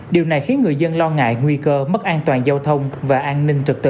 điều này khiến người dân lo ngại nguy cơ mất an toàn giao thông và an ninh trật tự